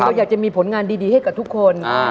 เราอยากจะมีผลงานดีให้กับทุกคน